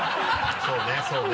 そうねそうね。